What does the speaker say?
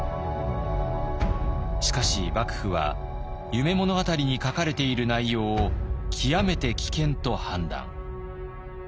しかし幕府は「夢物語」に書かれている内容を極めて危険と判断。